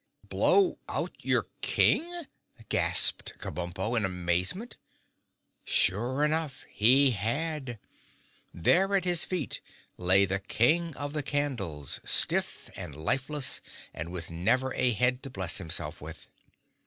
"Blow out your King?" gasped Kabumpo in amazement. Sure enough, he had. There at his feet lay the King of the Candles, stiff and lifeless and with never a head to bless himself with.